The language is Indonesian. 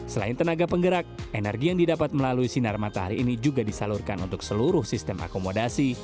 selain tenaga penggerak energi yang didapat melalui sinar matahari ini juga disalurkan untuk seluruh sistem akomodasi